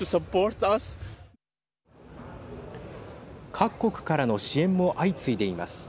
各国からの支援も相次いでいます。